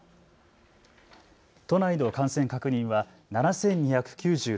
都内の感染確認は７２９６人。